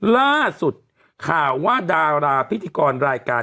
ล่าสุดข่าวว่าดาราพิธีกรรายการ